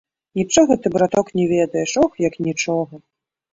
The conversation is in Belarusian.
Нічога ты, браток, не ведаеш, ох, як нічога!